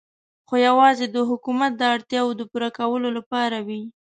خو یوازې د حکومت د اړتیاوو د پوره کولو لپاره وې.